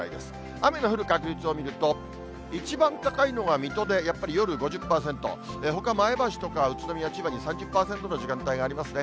雨の降る確率を見ると、一番高いのが水戸でやっぱり夜５０％、ほか、前橋とか宇都宮、千葉に３０％の時間帯がありますね。